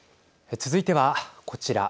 続いてはこちら。